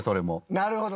なるほど。